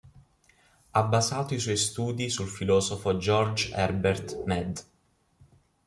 Ha basato i suoi studi sul filosofo George Herbert Mead.